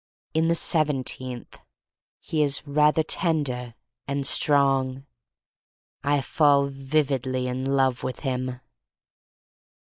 In the seventeenth he is rather ten der — and strong. I fall vividly in love with him.